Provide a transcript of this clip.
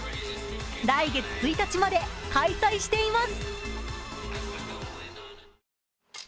来月１日まで開催しています。